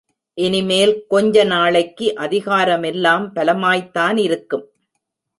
இனிமேல் கொஞ்ச நாளைக்கு அதிகாரமெல்லாம் பலமாய்த்தானிருக்கும்.